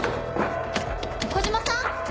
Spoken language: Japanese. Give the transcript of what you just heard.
小嶋さん？